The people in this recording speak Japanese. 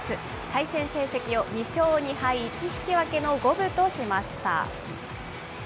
対戦成績を２勝２敗１引き分けの五分としました。